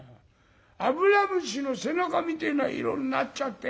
油虫の背中みてえな色になっちゃって。